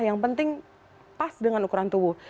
yang penting pas dengan ukuran tubuh